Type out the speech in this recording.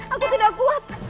aku tidak kuat